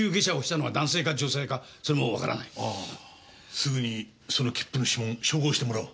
すぐにその切符の指紋照合してもらおう。